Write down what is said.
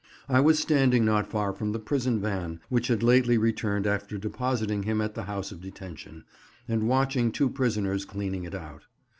I was standing not far from the prison van, which had lately returned after depositing him at the House of Detention, and watching two prisoners cleaning it out.